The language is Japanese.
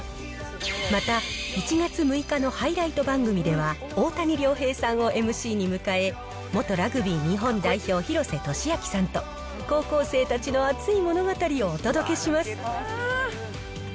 また、１月６日のハイライト番組では、大谷亮平さんをＭＣに迎え、元ラグビー日本代表、ひろせとしあきさんと、高校生たちの熱い物語をお届けします。